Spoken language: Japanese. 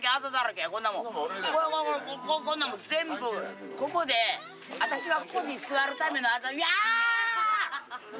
これこれこんなんも全部ここで私がここに座るための。ヤァー！